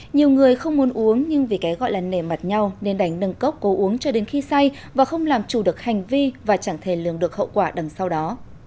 nhiều người không muốn uống nhưng vì cái gọi là nề mặt nhau nên đánh nâng cốc cố uống cho đến khi say và không làm chủ được hành vi và chẳng thể lường được hậu quả đằng sau đó